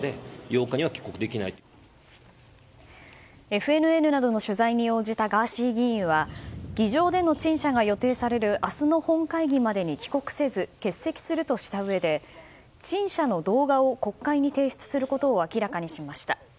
ＦＮＮなどの取材に応じたガーシー議員は議場での陳謝が予定される明日の本会議までに帰国せず欠席するとしたうえで陳謝の動画を国会に提出することを明らかにしました。